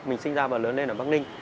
mình sinh ra và lớn lên ở bắc ninh